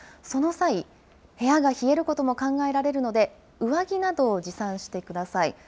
その際、部屋が冷えることも考えられるので、上着などを持参してください。